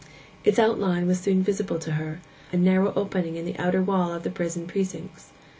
Its outline was soon visible to her—a narrow opening in the outer wall of the prison precincts.